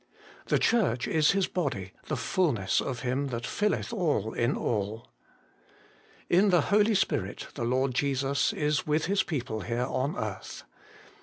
' The Church is His body, the fulness of Him that filleth all in all.' In the Holy Spirit the Lord Jesus is with His people here on earth.